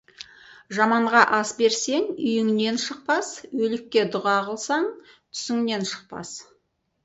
Жаманға ас берсең, үйіңнен шықпас, өлікке дұға қылсаң, түсіңнен шықпас.